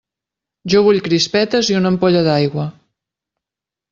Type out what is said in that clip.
Jo vull crispetes i una ampolla d'aigua!